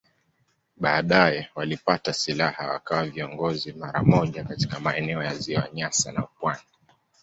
Baadaye walipata silaha wakawa viongozi mara moja katika maeneo ya Ziwa Nyasa na pwani.